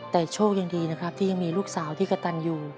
แต่โชคยังดีที่มีลูกสาวที่กระตันอยู่